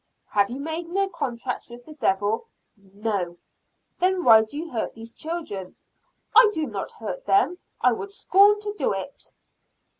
"Have you made no contracts with the Devil?" "No!" "Why then do you hurt these children?" "I do not hurt them. I would scorn to do it."